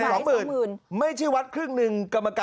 กรรมการครึ่งนึงนะ